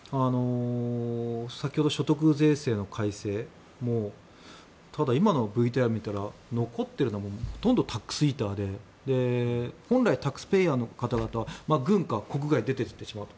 先ほど所得税制の改正もただ、今のＶＴＲ見たら残っているのはほとんどタックスイーターで本来タックスペイヤーの方々は軍か国外に出ていってしまうと。